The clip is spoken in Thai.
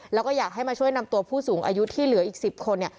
แล้วก็อยากให้มาช่วยนำตัวผู้สูงอายุที่เหลืออีก๑๐คน